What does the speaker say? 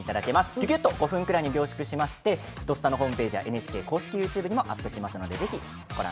ぎゅぎゅっと５分くらいに凝縮して「土スタ」ホームページやＮＨＫ公式ＹｏｕＴｕｂｅにもアップします。